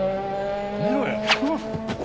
やめろよ。